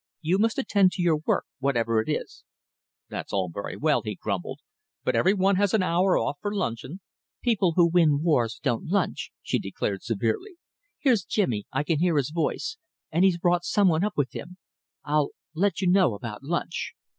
"You must attend to your work, whatever it is." "That's all very well," he grumbled, "but every one has an hour off for luncheon." "People who win wars don't lunch," she declared severely. "Here's Jimmy I can hear his voice and he's brought some one up with him. I'll let you know about lunch."